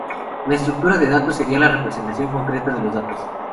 La estructura de datos sería la representación concreta de los datos.